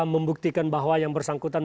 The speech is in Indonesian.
membuktikan bahwa yang bersangkutan